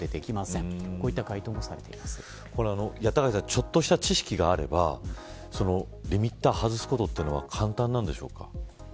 ちょっとした知識があればリミッターを外すことは簡単なんでしょうか。